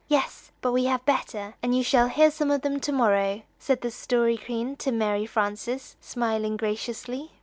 "Yes, but we have better, and you shall hear some of them to morrow," said the Story Queen to Mary Frances, smiling graciously.